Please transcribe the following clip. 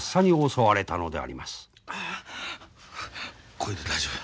こいで大丈夫や。